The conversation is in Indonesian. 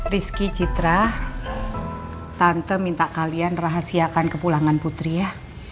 rizky citra tante minta kalian rahasiakan kepulangan putri ya